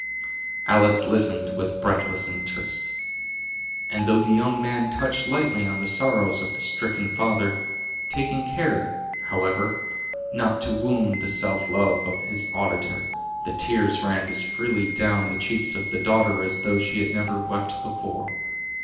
Alice listened with breathless interest; and though the young man touched lightly on the sorrows of the stricken father; taking care, however, not to wound the self love of his auditor, the tears ran as freely down the cheeks of the daughter as though she had never wept before.